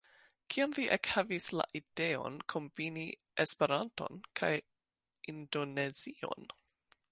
Kiam vi ekhavis la ideon kombini Esperanton kaj Indonezion?